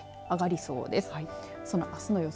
そのあすの予想